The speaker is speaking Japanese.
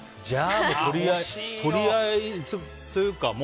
じゃあもう取り合いというか。